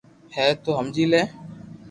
ھي تو ھمجي لي